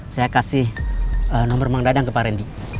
saya kasih nomor mang dadang ke pak randy